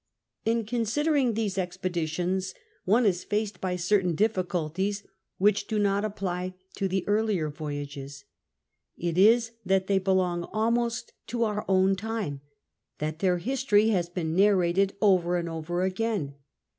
In considering these expeditions one is bleed by certain difficulties which do not apply to the earlier voyages. It is that they belong almost to our own time, that their history has been narrated over and over again.